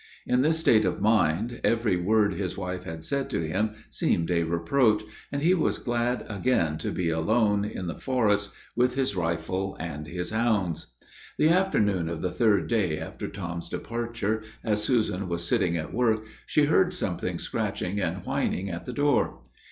In this state of mind, every word his wife had said to him seemed a reproach, and he was glad again to be alone, in the forest, with his rifle and his hounds. The afternoon of the third day after Tom's departure, as Susan was sitting at work, she heard something scratching and whining at the door.